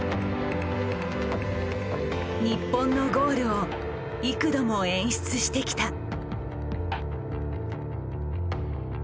日本のゴールを幾度も演出してきた。